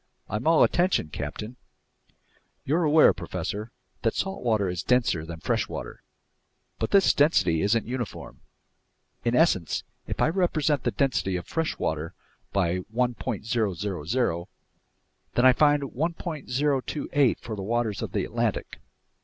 "I'm all attention, captain." "You're aware, professor, that salt water is denser than fresh water, but this density isn't uniform. In essence, if I represent the density of fresh water by 1.000, then I find 1.028 for the waters of the Atlantic, 1.